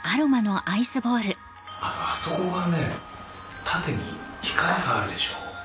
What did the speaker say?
あとあそこが縦に光があるでしょ？